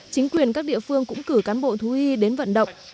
chính quyền các địa phương cũng cử cán bộ thú y đến vận động